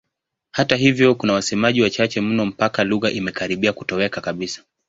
Hata hivyo kuna wasemaji wachache mno mpaka lugha imekaribia kutoweka kabisa.